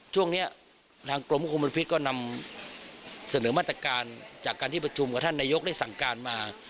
ช่วงนี้ทางกรมควบคุมพิษก็นำเสนอมาตรการจากการที่ประชุมกับท่านนายกได้สั่งการมา